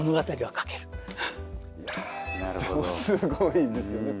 すごいですよね。